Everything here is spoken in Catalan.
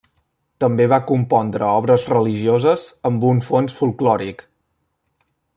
També va compondre obres religioses amb un fons folklòric.